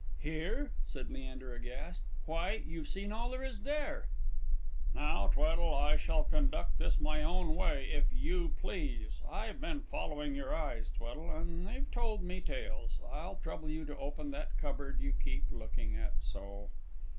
"Here?" said Leander, aghast. "Why, you've seen all there is there!" "Now, Tweddle, I shall conduct this my own way, if you please. I've been following your eyes, Tweddle, and they've told me tales. I'll trouble you to open that cupboard you keep looking at so."